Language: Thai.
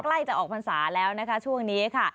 ใกล้จะออกพรรษาแล้วนะคะช่วงนี้ค่ะ